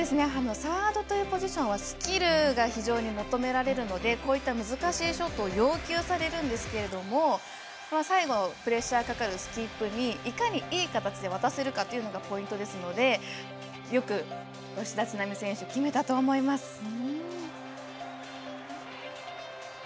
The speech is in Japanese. サードというポジションはスキルが非常に求められるのでこういった難しいショットを要求されるんですけど最後、プレッシャーかかるスキップに、いかにいい形で渡せるかというのがポイントですのでよく吉田知那美選手決めたと思います。